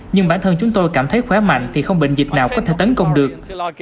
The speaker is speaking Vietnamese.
nhưng bản thân chúng tôi cảm thấy khỏe mạnh thì không bệnh dịch nào có thể tấn công được